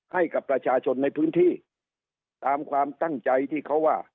ให้กับประชาชนในพื้นที่ตามความตั้งใจที่เขาว่า